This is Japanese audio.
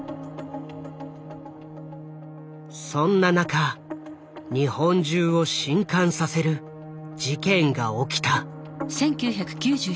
そんな中日本中を震撼させる事件が起きた。